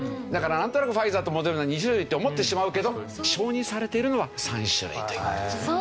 だからなんとなくファイザーとモデルナ２種類って思ってしまうけど承認されているのは３種類という事です。